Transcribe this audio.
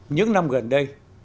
những năm gần đây